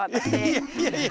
いやいやいや。